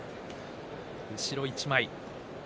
後ろ一枚。